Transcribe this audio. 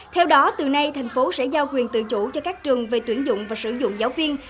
theo đó từ nay thành phố sẽ giao quyền tự chủ cho các trường về tuyển dụng và sử dụng giáo viên